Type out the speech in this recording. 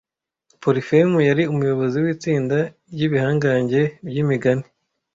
Polifemu yari umuyobozi w'itsinda ry'ibihangange by'imigani